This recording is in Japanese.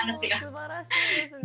すばらしいですね。